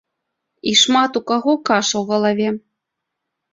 І шмат у каго каша ў галаве.